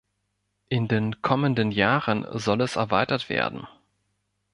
In den kommenden Jahren soll es erweitert werden.